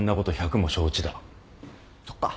そっか。